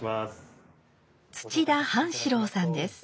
土田半四郎さんです。